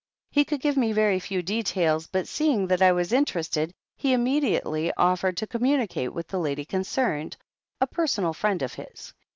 He could give me" very few details, but seeing that I was iiterested, he immediately offered to communicate with the lady concerned, a personal friend of his.